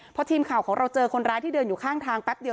พอทีมข่าวของเราเจอคนร้ายที่เดินอยู่ข้างทางแป๊บเดียว